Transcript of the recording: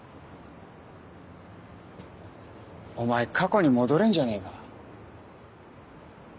お前過去に戻れんじゃねえか？